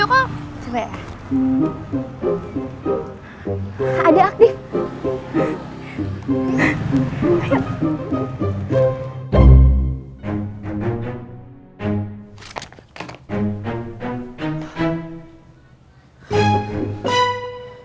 anggetan yang bagus